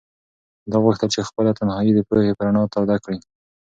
ده غوښتل چې خپله تنهایي د پوهې په رڼا توده کړي.